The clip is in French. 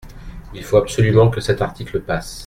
Il faut absolument que cet article passe.